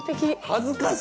恥ずかし！